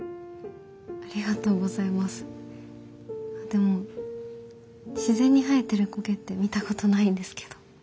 でも自然に生えてる苔って見たことないんですけど。